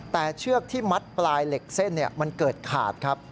แต่เชือกที่มัดปลายเหล็กเส้นมันเกิดขาดครับ